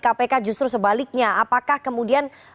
kpk justru sebaliknya apakah kemudian